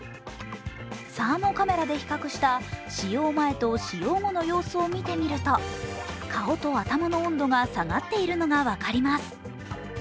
サーモカメラで比較した使用前と使用後の様子を見てみると顔と頭の温度が下がっているのが分かります。